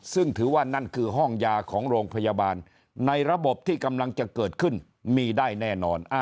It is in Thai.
ซึ่งถือว่านั่นคือห้องยาของโรงพยาบาลในระบบที่กำลังจะเกิดขึ้นมีได้แน่นอน